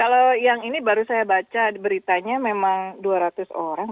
kalau yang ini baru saya baca beritanya memang dua ratus orang